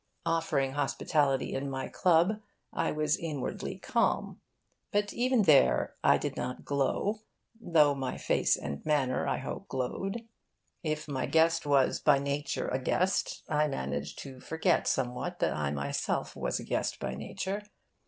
Offering hospitality in my club, I was inwardly calm. But even there I did not glow (though my face and manner, I hoped, glowed). If my guest was by nature a guest, I managed to forget somewhat that I myself was a guest by nature.